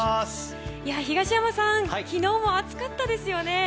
東山さん、昨日も暑かったですよね。